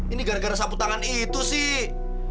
ini gara gara sapu tangan itu sih